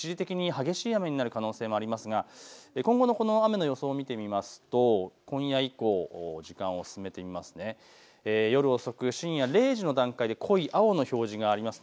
一時的に激しい雨になる可能性もありますが今後の雨の予想を見てみますと今夜以降、こちら、時間を進めてみますと夜遅く深夜０時の段階で濃い青の表示があります。